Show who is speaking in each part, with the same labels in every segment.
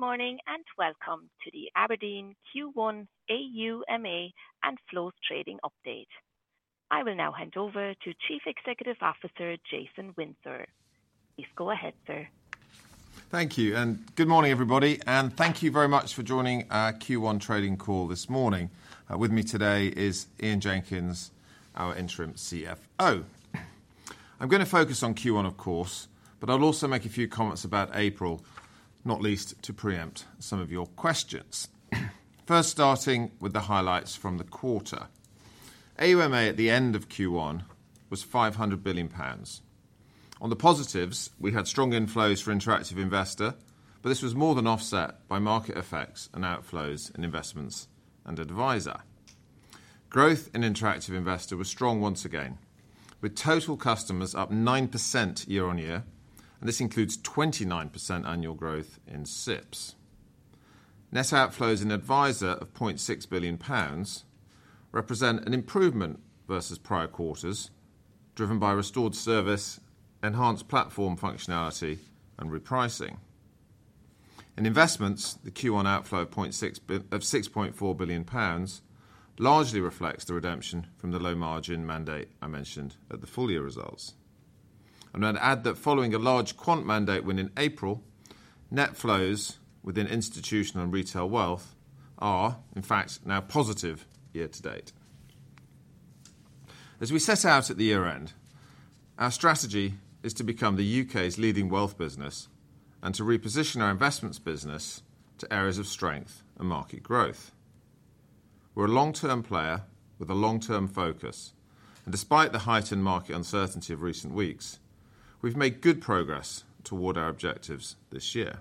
Speaker 1: Good morning and welcome to the Abrdn Q1 AUMA and Flows Trading Update. I will now hand over to Chief Executive Officer Jason Windsor. Please go ahead, sir.
Speaker 2: Thank you. Good morning, everybody. Thank you very much for joining our Q1 Trading Call this morning. With me today is Ian Jenkins, our Interim CFO. I am going to focus on Q1, of course, but I will also make a few comments about April, not least to preempt some of your questions. First, starting with the highlights from the quarter. AUMA at the end of Q1 was 500 billion pounds. On the positives, we had strong inflows for Interactive Investor, but this was more than offset by market effects and outflows in Investments and Adviser. Growth in Interactive Investor was strong once again, with total customers up 9% year-on-year, and this includes 29% annual growth in SIPPs. Net outflows in Adviser of 0.6 billion pounds represent an improvement versus prior quarters, driven by restored service, enhanced platform functionality, and repricing. In Investments, the Q1 outflow of 6.4 billion pounds largely reflects the redemption from the low margin mandate I mentioned at the full year results. I'm going to add that following a large quant mandate win in April, net flows within institutional and retail wealth are, in fact, now positive year-to-date. As we set out at the year-end, our strategy is to become the U.K.'s leading wealth business and to reposition our Investments business to areas of strength and market growth. We're a long-term player with a long-term focus, and despite the heightened market uncertainty of recent weeks, we've made good progress toward our objectives this year.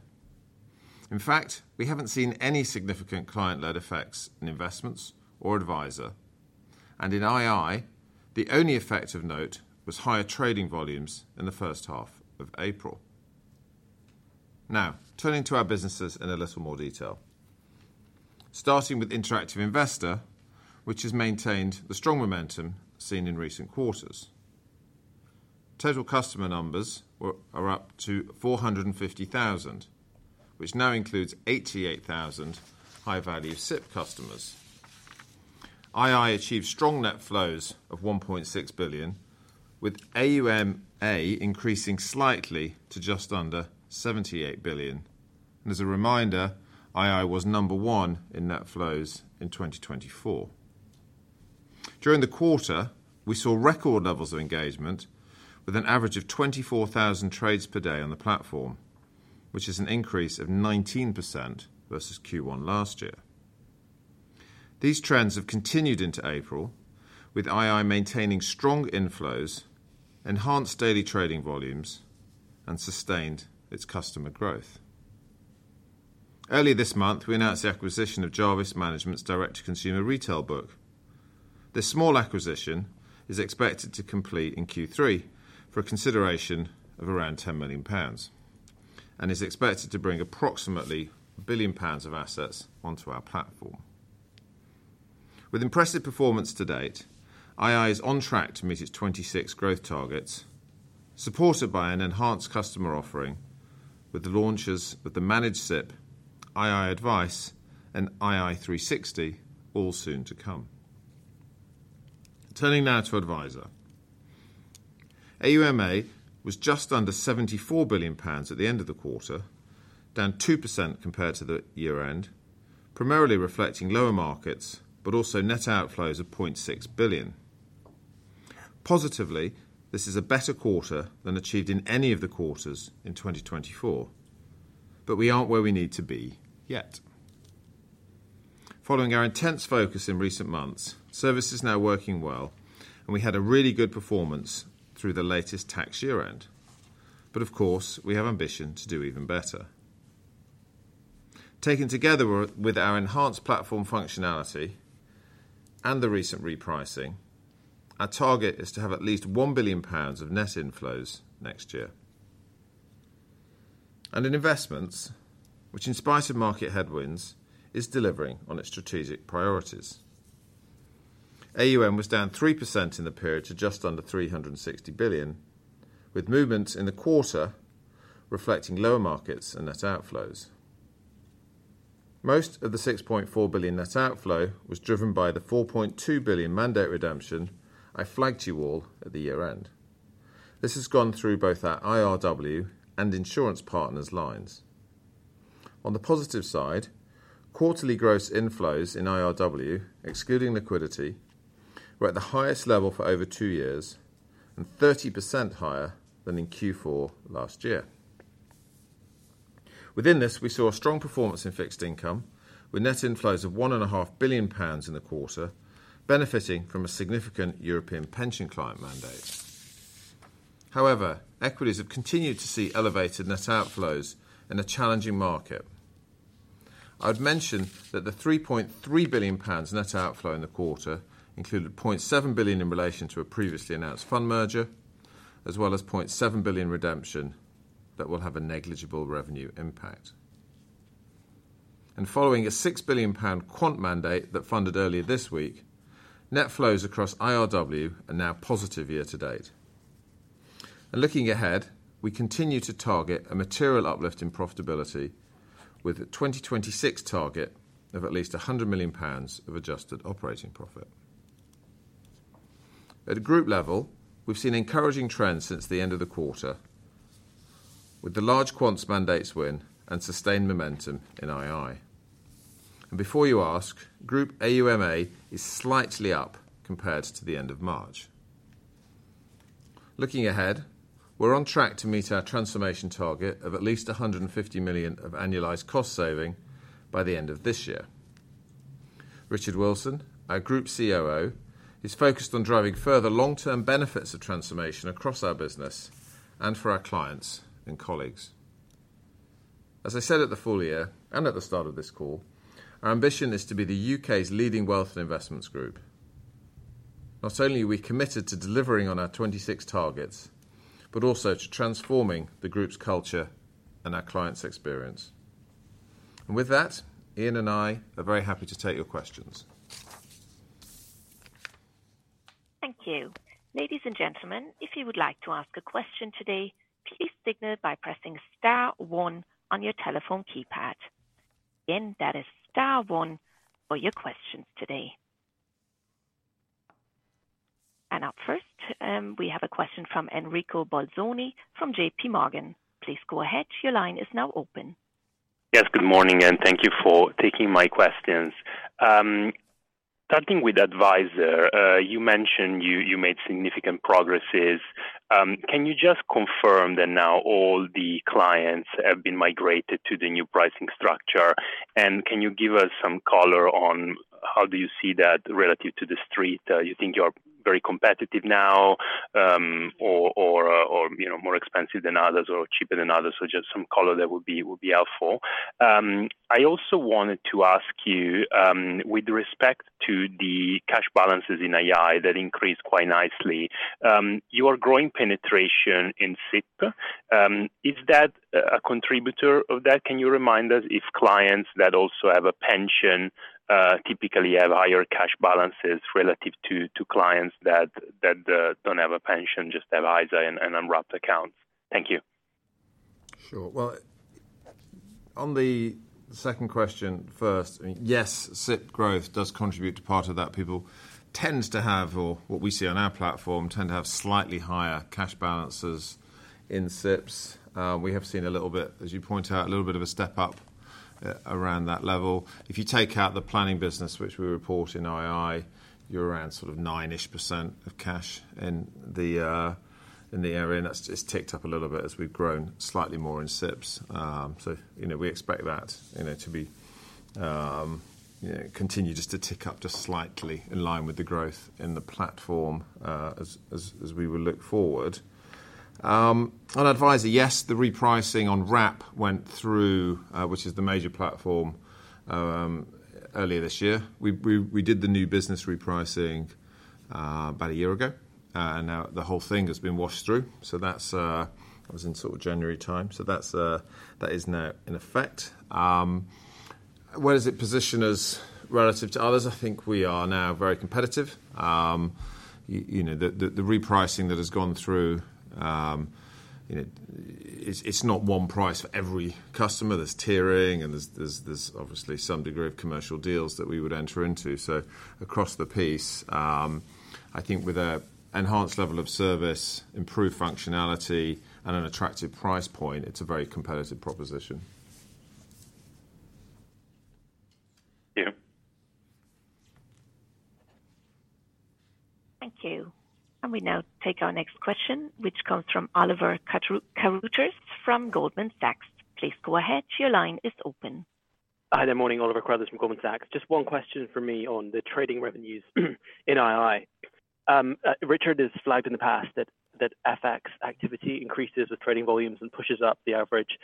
Speaker 2: In fact, we haven't seen any significant client-led effects in Investments or Adviser, and in II, the only effect of note was higher trading volumes in the first half of April. Now, turning to our businesses in a little more detail, starting with Interactive Investor, which has maintained the strong momentum seen in recent quarters. Total customer numbers are up to 450,000, which now includes 88,000 high-value SIPP customers. II achieved strong net flows of 1.6 billion, with AUMA increasing slightly to just under 78 billion. As a reminder, II was number one in net flows in 2024. During the quarter, we saw record levels of engagement, with an average of 24,000 trades per day on the platform, which is an increase of 19% versus Q1 last year. These trends have continued into April, with II maintaining strong inflows, enhanced daily trading volumes, and sustained its customer growth. Earlier this month, we announced the acquisition of Jarvis Management's direct-to-consumer retail book. This small acquisition is expected to complete in Q3 for a consideration of around 10 million pounds and is expected to bring approximately 1 billion pounds of assets onto our platform. With impressive performance to date, II is on track to meet its 26 growth targets, supported by an enhanced customer offering with the launches of the Managed SIPP, II Advice, and II 360, all soon to come. Turning now to Adviser, AUMA was just under GBP 74 billion at the end of the quarter, down 2% compared to the year-end, primarily reflecting lower markets but also net outflows of 0.6 billion. Positively, this is a better quarter than achieved in any of the quarters in 2024, but we aren't where we need to be yet. Following our intense focus in recent months, service is now working well, and we had a really good performance through the latest tax year-end. Of course, we have ambition to do even better. Taken together with our enhanced platform functionality and the recent repricing, our target is to have at least 1 billion pounds of net inflows next year. In Investments, which in spite of market headwinds, is delivering on its strategic priorities. AUM was down 3% in the period to just under 360 billion, with movements in the quarter reflecting lower markets and net outflows. Most of the 6.4 billion net outflow was driven by the 4.2 billion mandate redemption I flagged you all at the year-end. This has gone through both our IRW and insurance partners' lines. On the positive side, quarterly gross inflows in IRW, excluding liquidity, were at the highest level for over two years and 30% higher than in Q4 last year. Within this, we saw a strong performance in fixed income with net inflows of 1.5 billion pounds in the quarter, benefiting from a significant European pension client mandate. However, equities have continued to see elevated net outflows in a challenging market. I would mention that the 3.3 billion pounds net outflow in the quarter included 0.7 billion in relation to a previously announced fund merger, as well as a 0.7 billion redemption that will have a negligible revenue impact. Following a 6 billion pound quant mandate that funded earlier this week, net flows across IRW are now positive year-to-date. Looking ahead, we continue to target a material uplift in profitability with a 2026 target of at least 100 million pounds of adjusted operating profit. At a group level, we have seen encouraging trends since the end of the quarter, with the large quant mandates win and sustained momentum in II. Before you ask, Group AUMA is slightly up compared to the end of March. Looking ahead, we are on track to meet our transformation target of at least 150 million of annualized cost saving by the end of this year. Richard Wilson, our Group COO, is focused on driving further long-term benefits of transformation across our business and for our clients and colleagues. As I said at the full year and at the start of this call, our ambition is to be the U.K.'s leading wealth and Investments group. Not only are we committed to delivering on our 26 targets, but also to transforming the Group's culture and our clients' experience. With that, Ian and I are very happy to take your questions.
Speaker 1: Thank you. Ladies and gentlemen, if you would like to ask a question today, please signal by pressing star one on your telephone keypad. Ian, that is star one for your questions today. Up first, we have a question from Enrico Bolzoni from JPMorgan. Please go ahead. Your line is now open.
Speaker 3: Yes, good morning, and thank you for taking my questions. Starting with Adviser, you mentioned you made significant progresses. Can you just confirm that now all the clients have been migrated to the new pricing structure? Can you give us some color on how do you see that relative to the street? You think you're very competitive now or more expensive than others or cheaper than others, or just some color that would be helpful? I also wanted to ask you, with respect to the cash balances in II that increased quite nicely, your growing penetration in SIPP, is that a contributor of that? Can you remind us if clients that also have a pension typically have higher cash balances relative to clients that don't have a pension, just have ISA and unwrapped accounts? Thank you.
Speaker 2: Sure. On the second question first, yes, SIPP growth does contribute to part of that. People tend to have, or what we see on our platform, tend to have slightly higher cash balances in SIPPs. We have seen a little bit, as you point out, a little bit of a step up around that level. If you take out the planning business, which we report in II, you are around sort of 9% of cash in the area. That has just ticked up a little bit as we have grown slightly more in SIPPs. We expect that to continue just to tick up just slightly in line with the growth in the platform as we would look forward. On Adviser, yes, the repricing on Wrap went through, which is the major platform, earlier this year. We did the new business repricing about a year ago, and now the whole thing has been washed through. That was in sort of January time. That is now in effect. Where does it position us relative to others? I think we are now very competitive. The repricing that has gone through, it's not one price for every customer. There is tiering, and there is obviously some degree of commercial deals that we would enter into. Across the piece, I think with an enhanced level of service, improved functionality, and an attractive price point, it is a very competitive proposition.
Speaker 3: Yeah.
Speaker 1: Thank you. We now take our next question, which comes from Oliver Carruthers from Goldman Sachs. Please go ahead. Your line is open.
Speaker 4: Hi, good morning. Oliver Carruthers from Goldman Sachs. Just one question for me on the trading revenues in II. Richard has flagged in the past that FX activity increases with trading volumes and pushes up the average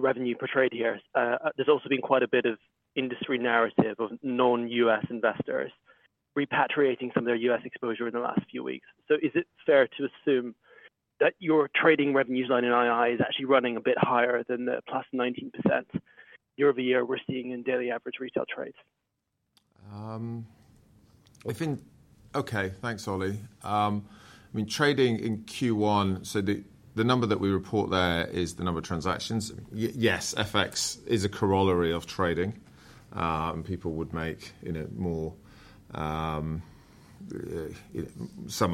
Speaker 4: revenue per trade here. There's also been quite a bit of industry narrative of non-U.S. investors repatriating some of their U.S. exposure in the last few weeks. Is it fair to assume that your trading revenues line in II is actually running a bit higher than the plus 19% year-over-year we're seeing in daily average retail trades?
Speaker 2: I think, okay, thanks, Ollie. I mean, trading in Q1, so the number that we report there is the number of transactions. Yes, FX is a corollary of trading. People would make more some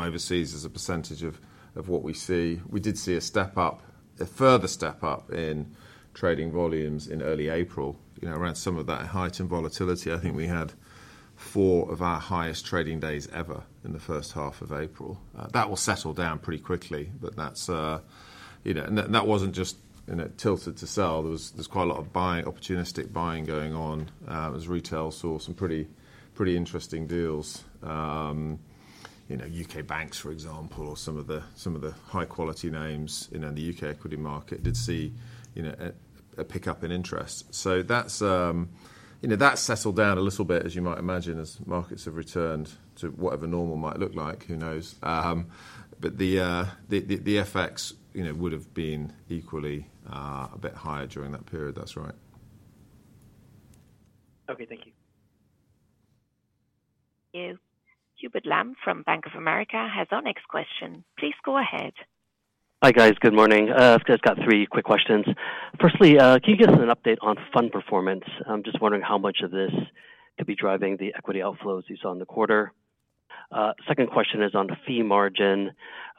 Speaker 2: overseas as a percentage of what we see. We did see a step up, a further step up in trading volumes in early April around some of that heightened volatility. I think we had four of our highest trading days ever in the first half of April. That will settle down pretty quickly, but that was not just tilted to sell. There was quite a lot of buying, opportunistic buying going on as retail saw some pretty interesting deals. U.K. banks, for example, or some of the high-quality names in the U.K. equity market did see a pickup in interest. That settled down a little bit, as you might imagine, as markets have returned to whatever normal might look like. Who knows? The FX would have been equally a bit higher during that period. That's right.
Speaker 5: Okay, thank you.
Speaker 1: Thank you. Hubert Lam from Bank of America has our next question. Please go ahead.
Speaker 6: Hi guys, good morning. I've just got three quick questions. Firstly, can you give us an update on fund performance? I'm just wondering how much of this could be driving the equity outflows you saw in the quarter. Second question is on fee margin.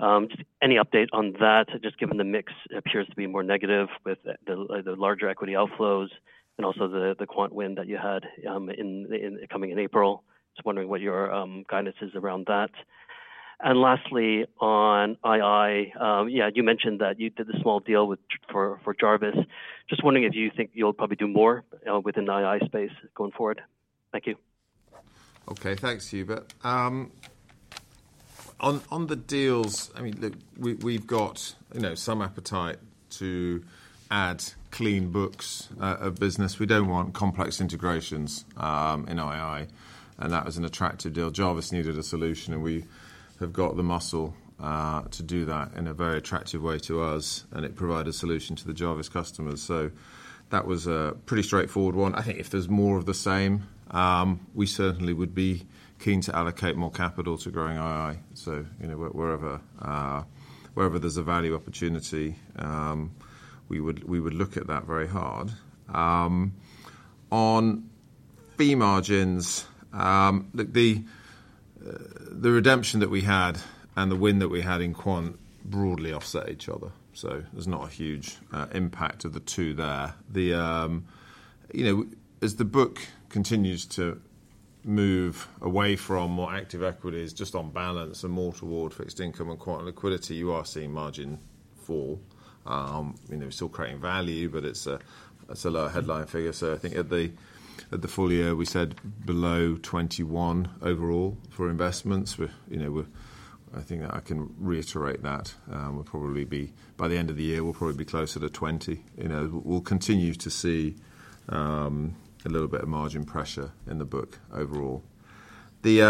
Speaker 6: Any update on that? Just given the mix appears to be more negative with the larger equity outflows and also the quant win that you had coming in April. Just wondering what your guidance is around that. Lastly, on II, yeah, you mentioned that you did a small deal for Jarvis. Just wondering if you think you'll probably do more within the II space going forward. Thank you.
Speaker 2: Okay, thanks, Hubert. On the deals, I mean, look, we've got some appetite to add clean books of business. We don't want complex integrations in II, and that was an attractive deal. Jarvis needed a solution, and we have got the muscle to do that in a very attractive way to us, and it provided a solution to the Jarvis customers. That was a pretty straightforward one. I think if there's more of the same, we certainly would be keen to allocate more capital to growing II. Wherever there's a value opportunity, we would look at that very hard. On fee margins, look, the redemption that we had and the win that we had in quant broadly offset each other. There's not a huge impact of the two there. As the book continues to move away from more active equities just on balance and more toward fixed income and quant liquidity, you are seeing margin fall. It is still creating value, but it is a lower headline figure. I think at the full year, we said below 21 overall for Investments. I think I can reiterate that. By the end of the year, we will probably be closer to 20. We will continue to see a little bit of margin pressure in the book overall. The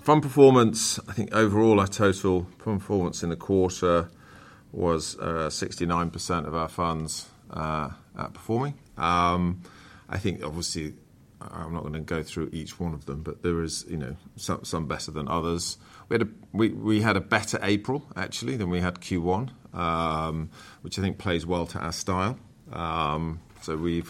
Speaker 2: fund performance, I think overall our total fund performance in the quarter was 69% of our funds outperforming. I think obviously I am not going to go through each one of them, but there is some better than others. We had a better April actually than we had Q1, which I think plays well to our style. We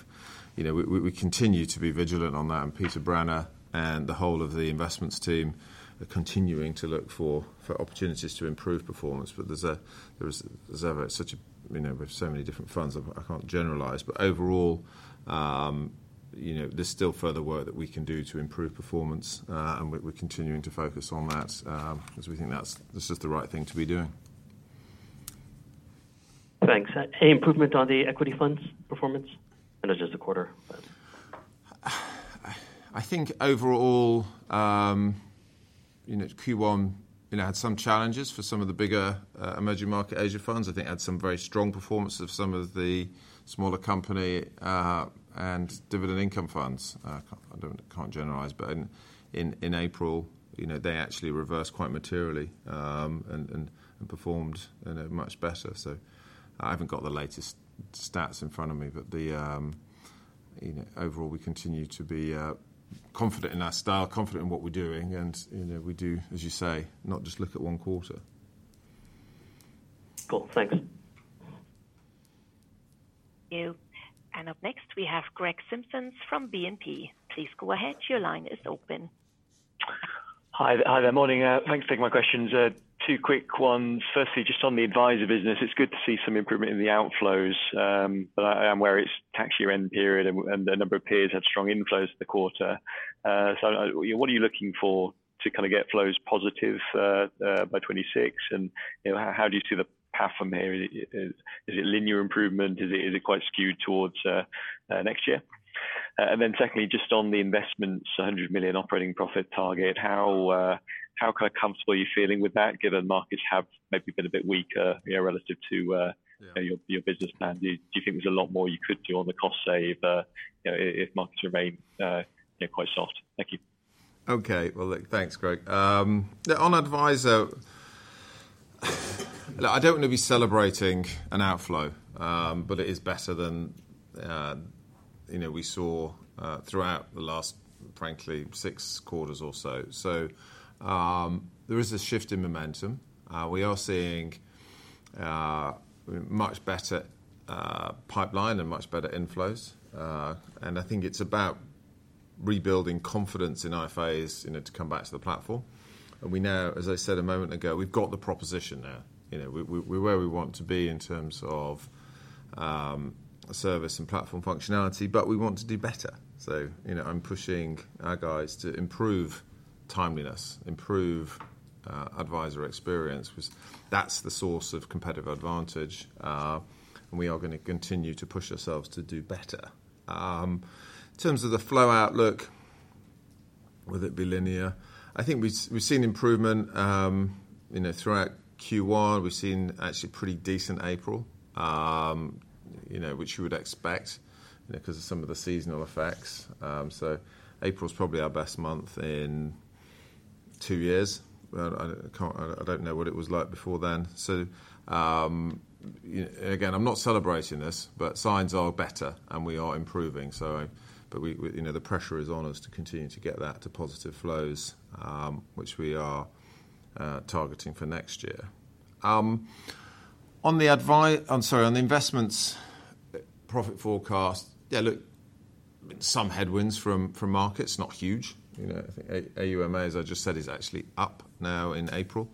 Speaker 2: continue to be vigilant on that. Peter Branner and the whole of the Investments team are continuing to look for opportunities to improve performance. There is such a, we have so many different funds, I cannot generalize. Overall, there is still further work that we can do to improve performance, and we are continuing to focus on that because we think that is just the right thing to be doing.
Speaker 3: Thanks. Any improvement on the equity funds performance in just a quarter?
Speaker 2: I think overall, Q1 had some challenges for some of the bigger emerging market Asia funds. I think it had some very strong performance of some of the smaller company and dividend income funds. I cannot generalize, but in April, they actually reversed quite materially and performed much better. I have not got the latest stats in front of me, but overall, we continue to be confident in our style, confident in what we are doing. We do, as you say, not just look at one quarter.
Speaker 3: Cool. Thanks.
Speaker 1: Thank you. Up next, we have Greg Simpson from BNP. Please go ahead. Your line is open.
Speaker 7: Hi, good morning. Thanks for taking my questions. Two quick ones. Firstly, just on the Adviser business, it's good to see some improvement in the outflows, but I am aware it's tax year end period and a number of peers have strong inflows in the quarter. What are you looking for to kind of get flows positive by 2026? How do you see the path from here? Is it linear improvement? Is it quite skewed towards next year? Secondly, just on the Investments, $100 million operating profit target, how comfortable are you feeling with that given markets have maybe been a bit weaker relative to your business plan? Do you think there's a lot more you could do on the cost save if markets remain quite soft? Thank you.
Speaker 2: Okay. Thanks, Greg. On Adviser, I do not want to be celebrating an outflow, but it is better than we saw throughout the last, frankly, six quarters or so. There is a shift in momentum. We are seeing a much better pipeline and much better inflows. I think it is about rebuilding confidence in IFAs to come back to the platform. As I said a moment ago, we have got the proposition there. We are where we want to be in terms of service and platform functionality, but we want to do better. I am pushing our guys to improve timeliness, improve Adviser experience, because that is the source of competitive advantage. We are going to continue to push ourselves to do better. In terms of the flow outlook, will it be linear? I think we have seen improvement throughout Q1. We've seen actually pretty decent April, which you would expect because of some of the seasonal effects. April is probably our best month in two years. I don't know what it was like before then. Again, I'm not celebrating this, but signs are better and we are improving. The pressure is on us to continue to get that to positive flows, which we are targeting for next year. On the Investments profit forecast, yeah, look, some headwinds from markets, not huge. AUMA, as I just said, is actually up now in April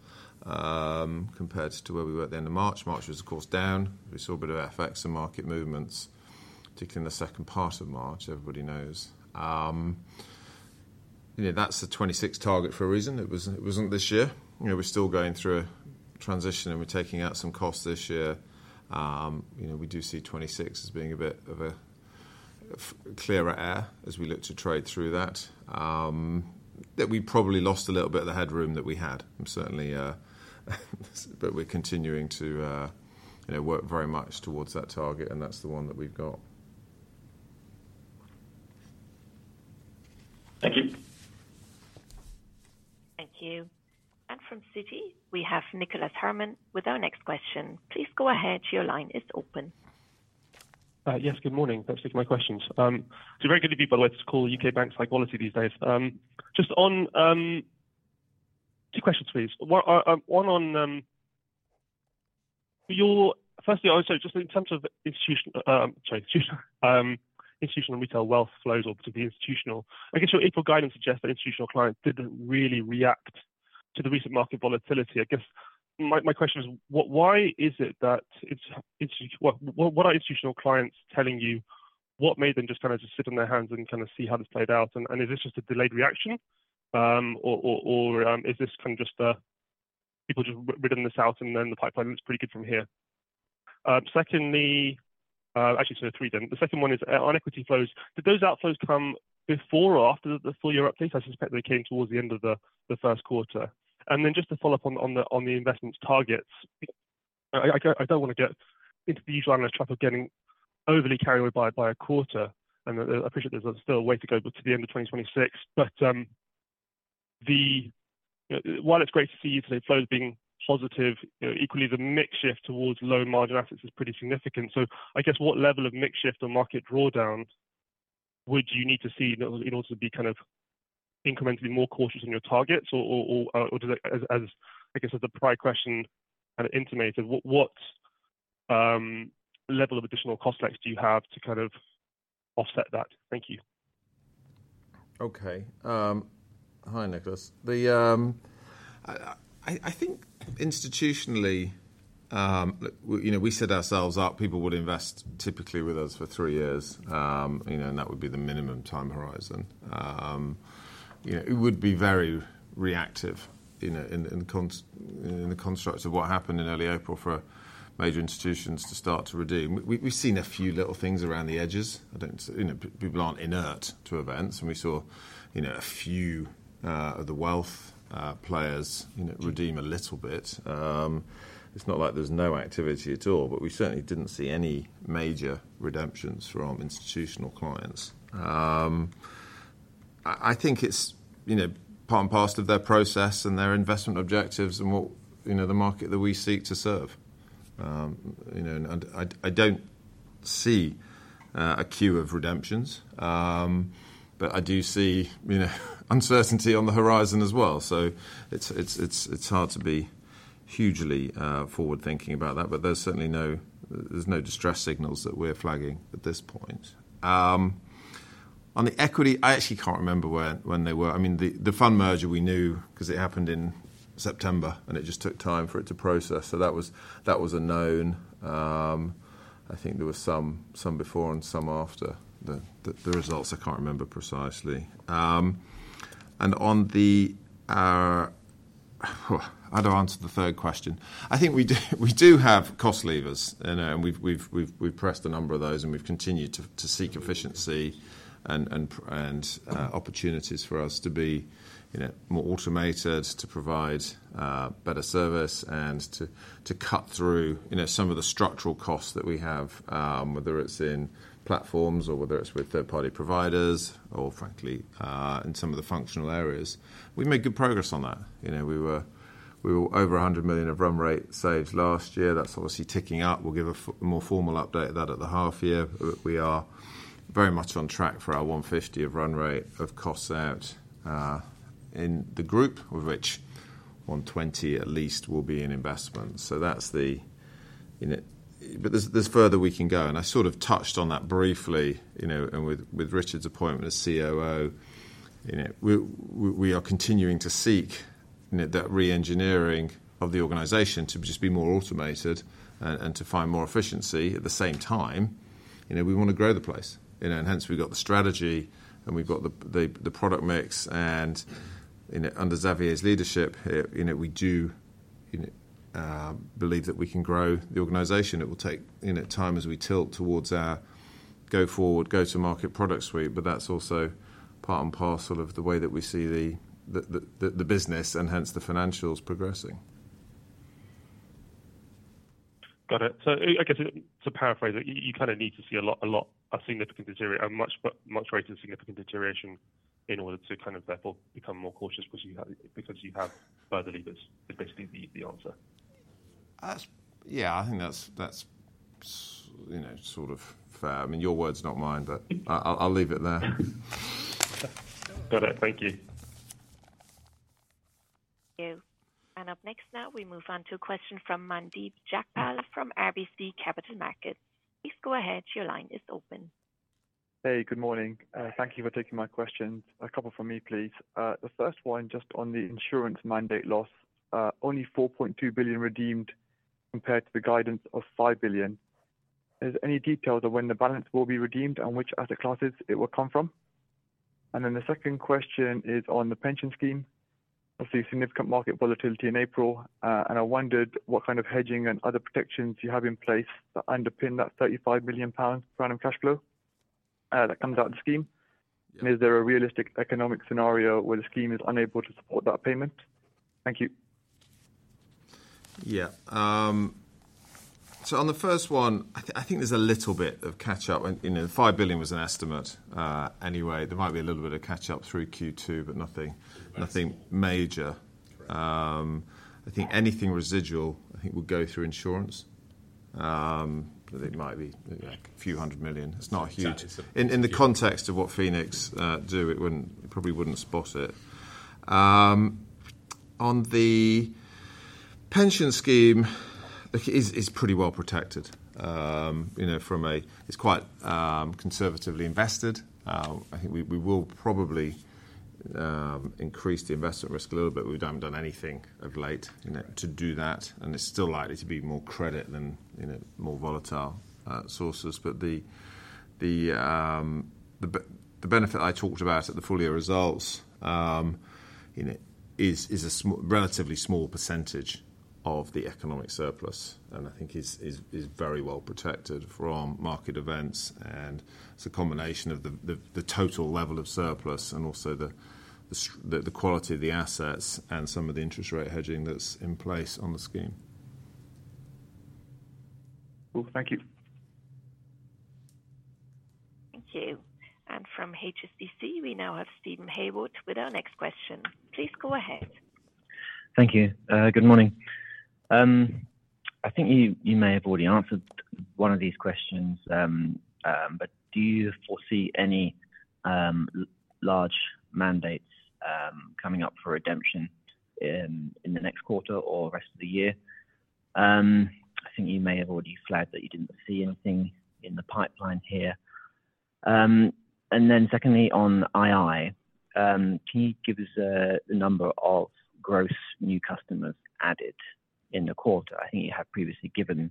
Speaker 2: compared to where we were at the end of March. March was, of course, down. We saw a bit of FX and market movements, particularly in the second part of March, everybody knows. That's the 2026 target for a reason. It wasn't this year. We're still going through a transition and we're taking out some costs this year. We do see 2026 as being a bit of a clearer air as we look to trade through that. We probably lost a little bit of the headroom that we had. We are continuing to work very much towards that target, and that's the one that we've got.
Speaker 7: Thank you.
Speaker 1: Thank you. From Citi, we have Nicholas Herman with our next question. Please go ahead. Your line is open.
Speaker 8: Yes, good morning. Thanks for taking my questions. It's very good to be, by the way. It's called U.K. Banks High Quality these days. Just on two questions, please. Firstly, just in terms of institutional and retail wealth flows or particularly institutional, I guess your April guidance suggests that institutional clients did not really react to the recent market volatility. I guess my question is, why is it that, what are institutional clients telling you? What made them just kind of just sit on their hands and kind of see how this played out? Is this just a delayed reaction, or is this kind of just people just ridden this out and then the pipeline looks pretty good from here? Secondly, actually, so three, then. The second one is on equity flows. Did those outflows come before or after the full year updates? I suspect they came towards the end of the first quarter. Just to follow up on the Investments targets, I do not want to get into the usual analyst trap of getting overly carried away by a quarter. I appreciate there is still a way to go to the end of 2026. While it is great to see flows being positive, equally, the mix shift towards low margin assets is pretty significant. I guess what level of mix shift or market drawdown would you need to see in order to be kind of incrementally more cautious on your targets? As the prior question kind of intimated, what level of additional costs do you have to kind of offset that? Thank you.
Speaker 2: Okay. Hi, Nicholas. I think institutionally, we set ourselves up. People would invest typically with us for three years, and that would be the minimum time horizon. It would be very reactive in the constructs of what happened in early April for major institutions to start to redeem. We have seen a few little things around the edges. People are not inert to events. We saw a few of the wealth players redeem a little bit. It is not like there is no activity at all, but we certainly did not see any major redemptions from institutional clients. I think it is part and parcel of their process and their investment objectives and the market that we seek to serve. I do not see a queue of redemptions, but I do see uncertainty on the horizon as well. It's hard to be hugely forward-thinking about that, but there's certainly no distress signals that we're flagging at this point. On the equity, I actually can't remember when they were. I mean, the fund merger, we knew because it happened in September, and it just took time for it to process. That was a known. I think there were some before and some after the results. I can't remember precisely. On the, how do I answer the third question? I think we do have cost levers, and we've pressed a number of those, and we've continued to seek efficiency and opportunities for us to be more automated, to provide better service, and to cut through some of the structural costs that we have, whether it's in platforms or whether it's with third-party providers or, frankly, in some of the functional areas. We made good progress on that. We were over 100 million of run rate saved last year. That is obviously ticking up. We will give a more formal update of that at the half year. We are very much on track for our 150 million of run rate of costs out in the group, of which 120 million at least will be in Investments. That is the case, but there is further we can go. I sort of touched on that briefly with Richard's appointment as COO. We are continuing to seek that re-engineering of the organization to just be more automated and to find more efficiency. At the same time, we want to grow the place. Hence, we have got the strategy, and we have got the product mix. Under Xavier's leadership, we do believe that we can grow the organization. It will take time as we tilt towards our go forward, go to market products suite, but that's also part and parcel of the way that we see the business and hence the financials progressing.
Speaker 6: Got it. I guess to paraphrase, you kind of need to see a lot of significant deterioration, a much greater significant deterioration in order to kind of therefore become more cautious because you have further levers is basically the answer.
Speaker 2: Yeah, I think that's sort of fair. I mean, your words, not mine, but I'll leave it there.
Speaker 6: Got it. Thank you.
Speaker 1: Thank you. Up next, we move on to a question from Mandeep Jagpal from RBC Capital Markets. Please go ahead. Your line is open.
Speaker 9: Hey, good morning. Thank you for taking y questions. A couple from me, please. The first one just on the insurance mandate loss, only 4.2 billion redeemed compared to the guidance of 5 billion. Is there any details of when the balance will be redeemed and which asset classes it will come from? The second question is on the pension scheme. Obviously, significant market volatility in April, and I wondered what kind of hedging and other protections you have in place that underpin that 35 million pounds random cash flow that comes out of the scheme. Is there a realistic economic scenario where the scheme is unable to support that payment? Thank you.
Speaker 2: Yeah. On the first one, I think there is a little bit of catch-up. 5 billion was an estimate anyway. There might be a little bit of catch-up through Q2, but nothing major. I think anything residual would go through insurance. I think it might be a few hundred million. It is not huge. In the context of what Phoenix do, it probably would not spot it. On the pension scheme, it is pretty well protected. It is quite conservatively invested. I think we will probably increase the investment risk a little bit. We have not done anything of late to do that, and it is still likely to be more credit than more volatile sources. The benefit I talked about at the full year results is a relatively small percentage of the economic surplus, and I think is very well protected from market events. It is a combination of the total level of surplus and also the quality of the assets and some of the interest rate hedging that is in place on the scheme.
Speaker 9: Cool. Thank you.
Speaker 1: Thank you. From HSBC, we now have Steven Hayward with our next question. Please go ahead.
Speaker 10: Thank you. Good morning. I think you may have already answered one of these questions, but do you foresee any large mandates coming up for redemption in the next quarter or rest of the year? I think you may have already flagged that you did not see anything in the pipeline here. Secondly, on II, can you give us the number of gross new customers added in the quarter? I think you have previously given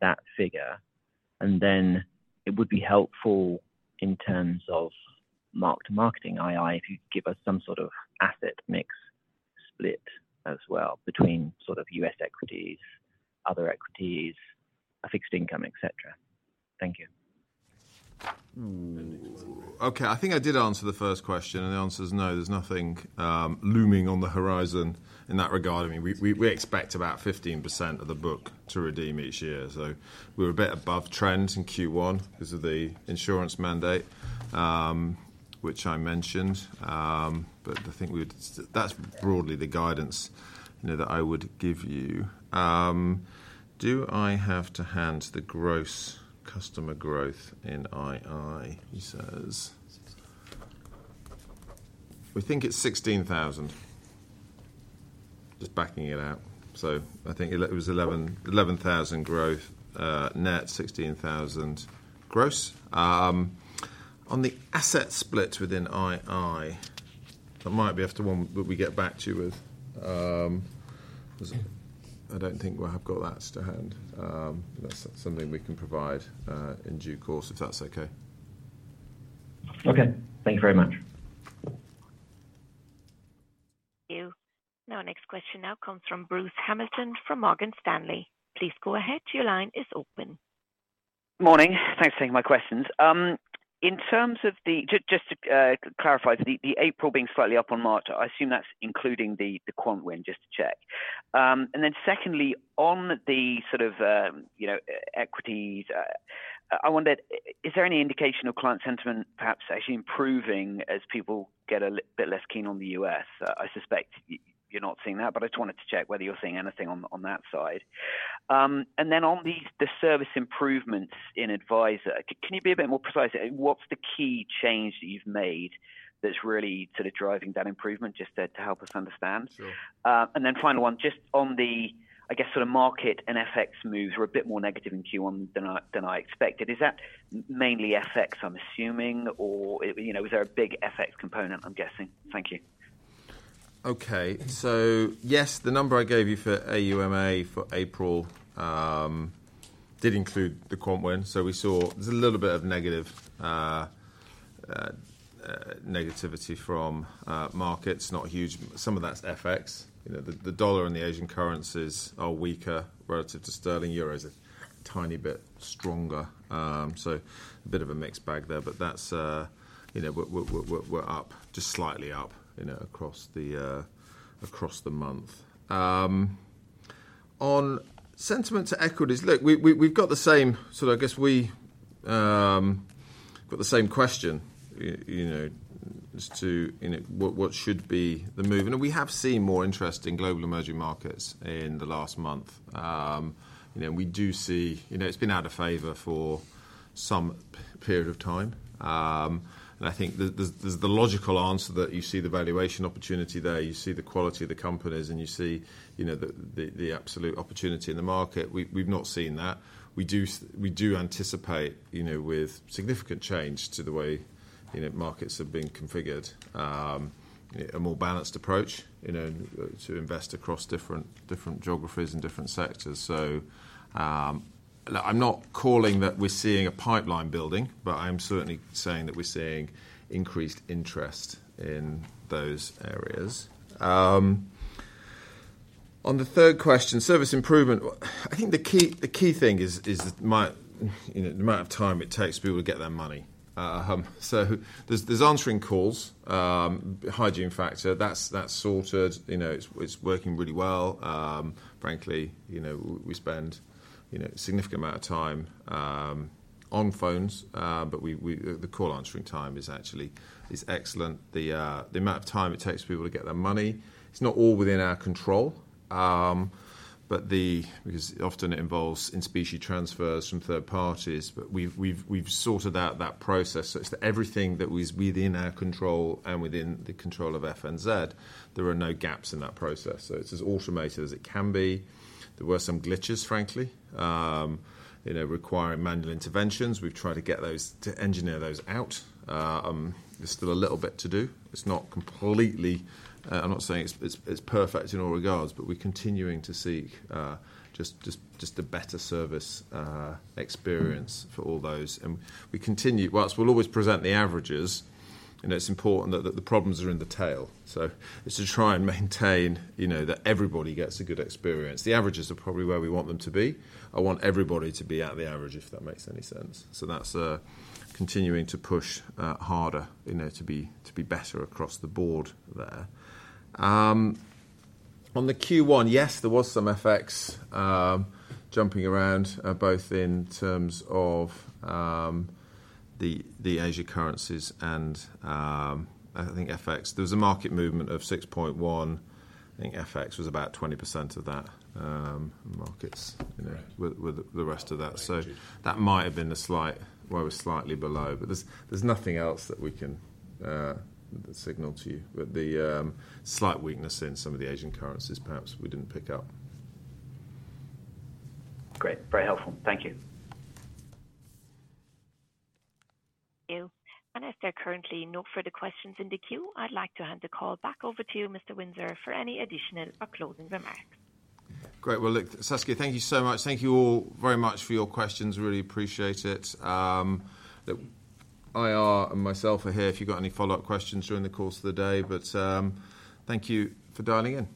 Speaker 10: that figure. It would be helpful in terms of marketing II if you could give us some sort of asset mix split as well between US equities, other equities, fixed income, etc. Thank you.
Speaker 2: Okay. I think I did answer the first question, and the answer is no. There's nothing looming on the horizon in that regard. I mean, we expect about 15% of the book to redeem each year. We're a bit above trend in Q1 because of the insurance mandate, which I mentioned. I think that's broadly the guidance that I would give you. Do I have to hand the gross customer growth in II? He says, we think it's 16,000, just backing it out. I think it was 11,000 growth, net 16,000 gross. On the asset split within II, that might be one that we get back to you with. I don't think we have got that to hand. That's something we can provide in due course if that's okay.
Speaker 10: Okay. Thank you very much.
Speaker 1: Thank you. Now, our next question now comes from Bruce Hamilton from Morgan Stanley. Please go ahead. Your line is open.
Speaker 11: Morning. Thanks for taking my questions. In terms of the, just to clarify, the April being slightly up on March, I assume that's including the quant win, just to check. Secondly, on the sort of equities, I wondered, is there any indication of client sentiment perhaps actually improving as people get a bit less keen on the U.S.? I suspect you're not seeing that, but I just wanted to check whether you're seeing anything on that side. On the service improvements in Adviser, can you be a bit more precise? What's the key change that you've made that's really sort of driving that improvement just to help us understand?
Speaker 2: Sure.
Speaker 11: The final one, just on the, I guess, sort of market and FX moves were a bit more negative in Q1 than I expected. Is that mainly FX, I'm assuming, or was there a big FX component, I'm guessing? Thank you.
Speaker 2: Okay. Yes, the number I gave you for AUMA for April did include the quant win. We saw there is a little bit of negativity from markets. Not huge. Some of that is FX. The dollar and the Asian currencies are weaker relative to sterling. Euro is a tiny bit stronger. A bit of a mixed bag there, but we are up, just slightly up across the month. On sentiment to equities, look, we have got the same sort of, I guess we have got the same question as to what should be the move. We have seen more interest in global emerging markets in the last month. We do see it has been out of favor for some period of time. I think there is the logical answer that you see the valuation opportunity there. You see the quality of the companies, and you see the absolute opportunity in the market. We've not seen that. We do anticipate with significant change to the way markets have been configured, a more balanced approach to invest across different geographies and different sectors. I'm not calling that we're seeing a pipeline building, but I am certainly saying that we're seeing increased interest in those areas. On the third question, service improvement, I think the key thing is the amount of time it takes people to get their money. There's answering calls, hygiene factor. That's sorted. It's working really well. Frankly, we spend a significant amount of time on phones, but the call answering time is actually excellent. The amount of time it takes people to get their money, it's not all within our control, because often it involves in-specialty transfers from third parties, but we've sorted out that process. It's everything that is within our control and within the control of FNZ. There are no gaps in that process. It's as automated as it can be. There were some glitches, frankly, requiring manual interventions. We've tried to engineer those out. There's still a little bit to do. It's not completely—I am not saying it's perfect in all regards, but we're continuing to seek just a better service experience for all those. We continue, whilst we'll always present the averages, it's important that the problems are in the tail. It's to try and maintain that everybody gets a good experience. The averages are probably where we want them to be. I want everybody to be at the average, if that makes any sense. That is continuing to push harder to be better across the board there. On the Q1, yes, there was some FX jumping around, both in terms of the Asian currencies and I think FX. There was a market movement of 6.1. I think FX was about 20% of that, markets with the rest of that. That might have been a slight—well, it was slightly below, but there is nothing else that we can signal to you. The slight weakness in some of the Asian currencies perhaps we did not pick up.
Speaker 11: Great. Very helpful. Thank you.
Speaker 1: Thank you. If there are currently no further questions in the queue, I'd like to hand the call back over to you, Mr. Windsor, for any additional or closing remarks.
Speaker 2: Great. Look, Saskia, thank you so much. Thank you all very much for your questions. Really appreciate it. IR and myself are here if you've got any follow-up questions during the course of the day. Thank you for dialing in.